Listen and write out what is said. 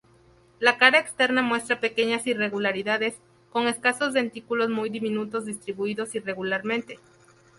La cara externa muestra pequeñas irregularidades, con escasos dentículos muy diminutos distribuidos irregularmente.